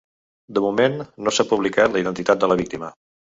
De moment, no s’ha publicat la identitat de la víctima.